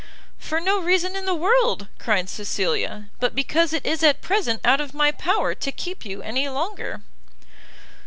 "For no reason in the world," cried Cecilia, "but because it is at present out of my power to keep you any longer."